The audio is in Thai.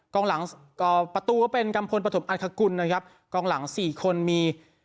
กล้องหลังก็ประตูก็เป็นกำพลประถมอัตภกรุณนะครับกล้องหลังสี่คนมี